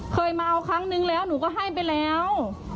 เคยมาเอาครั้งนึงแล้วหนูก็ให้ไปแล้ว